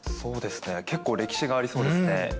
結構歴史がありそうですね。